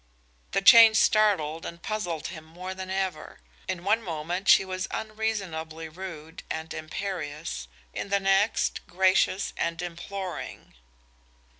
The change startled and puzzled him more than ever. In one moment she was unreasonably rude and imperious, in the next gracious and imploring.